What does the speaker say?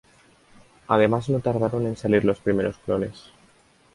Además no tardaron en salir los primeros clones.